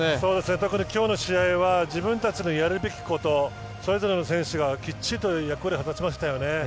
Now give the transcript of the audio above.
特に今日の試合は自分たちのやるべきことそれぞれの選手がきっちりと役割を果たしましたよね。